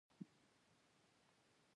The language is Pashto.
زغم او صبر ټینګار او اصرار کول.